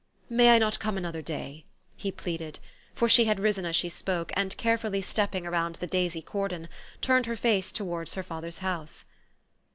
" May I not come another day? " he pleaded ; for she had risen as she spoke, and, carefully stepping around the daisy cordon, turned her face towards her father's house.